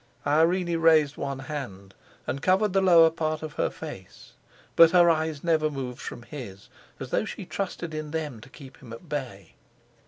Irene raised one hand and covered the lower part of her face, but her eyes never moved from his, as though she trusted in them to keep him at bay.